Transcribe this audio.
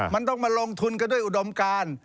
มันต้องมาลงทุนกันด้วยอุดมการ